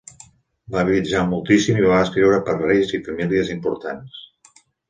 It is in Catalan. Va viatjar moltíssim i va escriure per a reis i famílies importants.